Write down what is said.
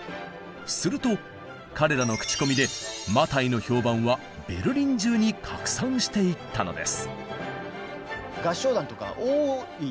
すると彼らの口コミで「マタイ」の評判はベルリン中に拡散していったのです。